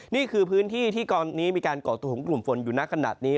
นี่คือพื้นที่ที่ตอนนี้มีการก่อตัวของกลุ่มฝนอยู่นักขนาดนี้